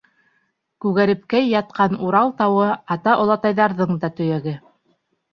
Күгәрепкәй ятҡан Урал тауы Ата-олатайҙарҙың да төйәге.